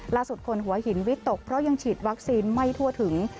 คนหัวหินวิตกเพราะยังฉีดวัคซีนไม่ทั่วถึง